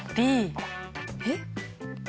えっ？